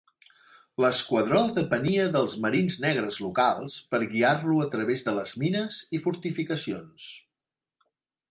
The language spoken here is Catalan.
L'esquadró depenia dels marins negres locals per guiar-lo a través de les mines i fortificacions.